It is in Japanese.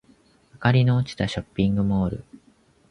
明かりの落ちたショッピングモール